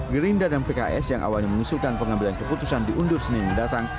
gerindra dan pks yang awalnya mengusulkan pengambilan keputusan diundur senin mendatang